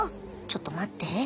ちょっとまって。